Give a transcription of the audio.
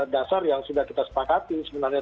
dasar yang sudah kita sepakati sebenarnya